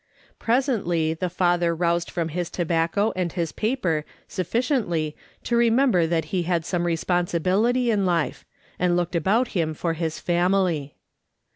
Presently the father roused from his tobacco and his paper sufficiently to remember that he had some responsibility in life, and looked about him for his family.